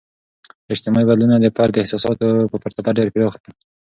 اجتماعي بدلونونه د فرد احساساتو په پرتله ډیر پراخ دي.